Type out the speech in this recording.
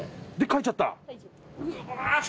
書いちゃった。